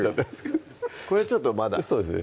これちょっとまだそうですね